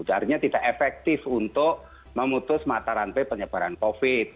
artinya tidak efektif untuk memutus mata rantai penyebaran covid